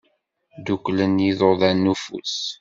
Dduklen yiḍudan n ufus.